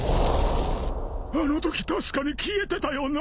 あのとき確かに消えてたよな！？